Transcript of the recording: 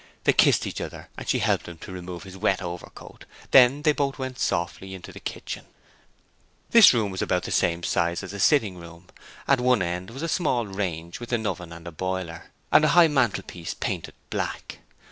They kissed each other and she helped him to remove his wet overcoat. Then they both went softly into the kitchen. This room was about the same size as the sitting room. At one end was a small range with an oven and a boiler, and a high mantelpiece painted black.